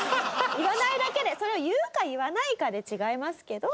言わないだけでそれを言うか言わないかで違いますけど。